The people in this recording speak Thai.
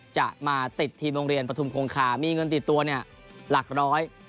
จะมาติดทีมโรงเรียนปฐุมคงคามีเงินติดตัวเนี่ยหลักร้อย